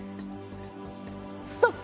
ストップ。